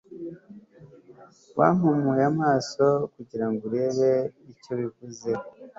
wampumuye amaso kugirango urebe icyo bivuze